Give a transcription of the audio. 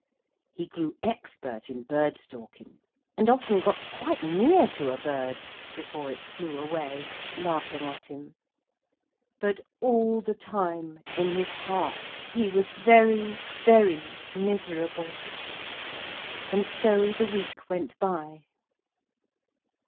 He grew expert in bird stalking, and often got quite near to a bird before it flew away, laughing at him. But all the time, in his heart, he was very, very miserable. And so the week went by.